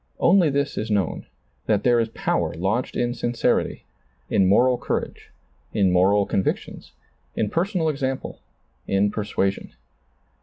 Only this is known, that there is power lodged in sincerity, in moral courage, in moral convictions, in personal example, in persuasion.